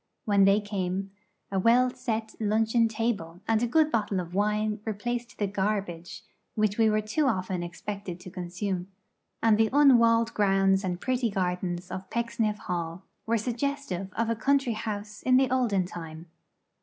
When they came, a well set luncheon table and a good bottle of wine replaced the garbage which we were too often expected to consume, and the unwalled grounds and pretty gardens of Pecksniff Hall were suggestive of a country house in the olden time.